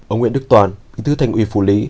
ông nguyễn đức toàn tư thành ủy phủ lý